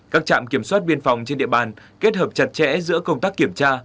các trạm kiểm soát biên phòng trên địa bàn kết hợp chặt chẽ giữa công tác kiểm tra